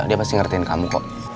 dia pasti ngerin kamu kok